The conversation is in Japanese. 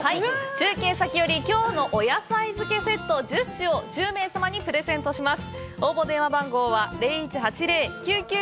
中継先より京のお野菜漬けセット１０種を１０名様にプレゼントします。